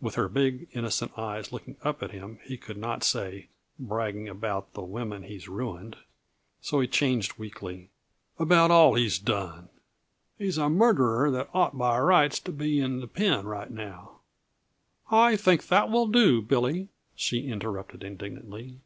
With her big, innocent eyes looking up at him, he could not say "bragging about the women he's ruined," so he changed weakly) "about all he's done. He's a murderer that ought by rights t' be in the pen right now " "I think that will do, Billy!" she interrupted indignantly.